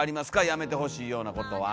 やめてほしいようなことは。